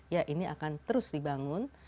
ya ini akan terus dibangun